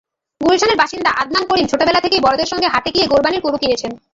গুলশানের বাসিন্দা আদনান করিম ছোটবেলা থেকেই বড়দের সঙ্গে হাটে গিয়ে কোরবানির গরু কিনেছেন।